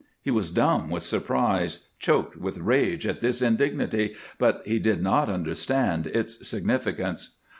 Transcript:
He was dumb with surprise, choked with rage at this indignity, but he did not understand its significance.